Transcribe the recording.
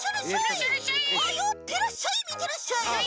よってらっしゃいみてらっしゃい！